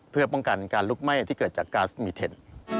เพื่อป้องกันการลุกไหม้ที่เกิดจากก๊าซมีเทน